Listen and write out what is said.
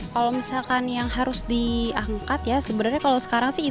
kalau misalkan yang harus diangkat ya sebenarnya kalau sekarang sih